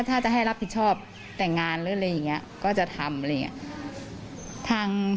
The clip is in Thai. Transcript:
ถ้าจะให้รับผิดชอบแต่งงานหรืออะไรอย่างนี้ก็จะทำอะไรอย่างนี้